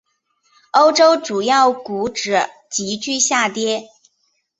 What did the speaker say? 欧洲主要股指急剧下跌。